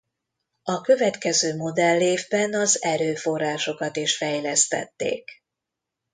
A következő modellévben az erőforrásokat is fejlesztették.